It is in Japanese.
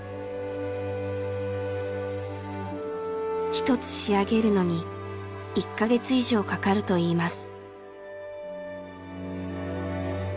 １つ仕上げるのに１か月以上かかるといいます。